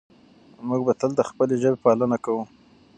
موږ به تل د خپلې ژبې پالنه کوو.